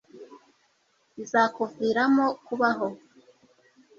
bizakuviramo kubaho